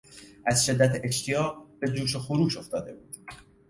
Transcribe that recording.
از شدت اشتیاق به جوش و خروش افتاده بود.